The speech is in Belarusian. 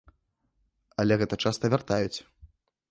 Але гэта часта вяртаюць.